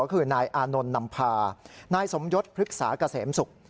ก็คือนายอานนท์นำพานายสมยศพฤกษาเกษมศุกร์